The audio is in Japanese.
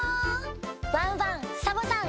ワンワンサボさん